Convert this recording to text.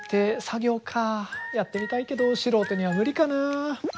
やってみたいけど素人には無理かな。